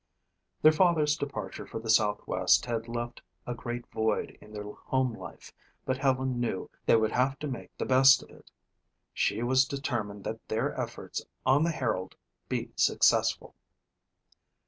Their father's departure for the southwest had left a great void in their home life but Helen knew they would have to make the best of it. She was determined that their efforts on the Herald be successful.